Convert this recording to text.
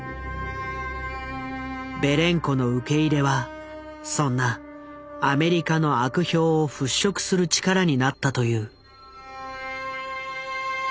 ベレンコの受け入れはそんなアメリカの悪評を払拭する力になったという。